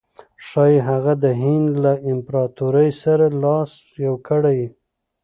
ښایي هغه د هند له امپراطور سره لاس یو کړي.